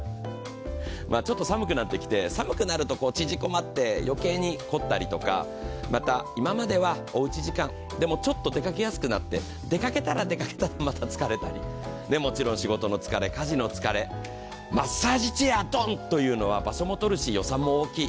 ちょっと寒くなってきて、寒くなると縮こまってよけいに凝ったりとかまた、今まではおうち時間、出かけたら出かけたでまた疲れたり、でも仕事の疲れ、家事の疲れ、マッサージチェアどんというのも、場所もとるし予算も大きい。